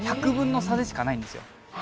１００分の１の差しかないんです。